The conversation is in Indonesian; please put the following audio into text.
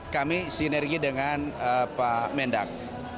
kami sinergi dengan pak mendak